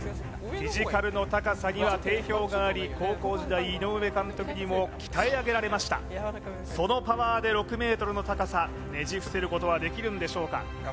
フィジカルの高さには定評があり高校時代井上監督にも鍛え上げられましたそのパワーで６ｍの高さねじ伏せることはできるんでしょうか